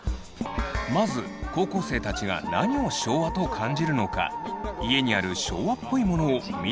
まず高校生たちが何を昭和と感じるのか家にある“昭和っぽいもの”を見せてもらうことに。